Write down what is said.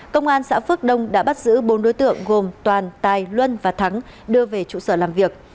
công an xã phước đông đã bắt giữ bốn đối tượng gồm toàn tài luân và thắng đưa về trụ sở làm việc